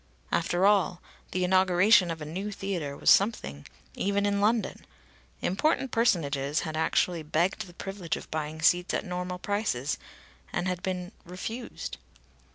After all, the inauguration of a new theatre was something, even in London! Important personages had actually begged the privilege of buying seats at normal prices, and had been refused.